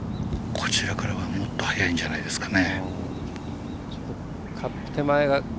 こちらからはもっと速いんじゃないですかね。